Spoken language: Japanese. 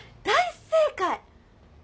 大正解！